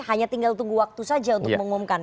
hanya tinggal tunggu waktu saja untuk mengumumkan